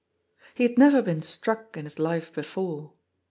He had never been struck in his life before.